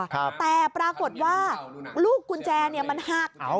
แต่ปรากฏว่าลูกกุญแจเนี่ยมันหัก